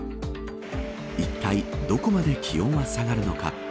いったい、どこまで気温は下がるのか。